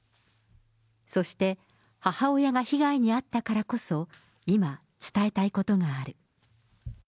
そして母親が被害に遭ったからこそ、今、伝えたいことがある。